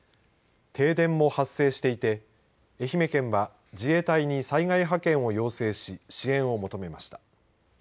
停電も発生していて愛媛県は自衛隊に災害派遣を要請し支援を求めました。